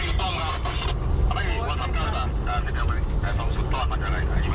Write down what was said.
ไหล่ความรับความรับที่ไหล่แต่เรื่องต้นชิดและแบบนี้แล้ว